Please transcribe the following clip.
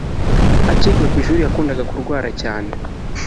akiga kwishuri yakundaga kurwara cyane